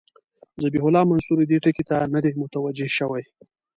ذبیح الله منصوري دې ټکي ته نه دی متوجه شوی.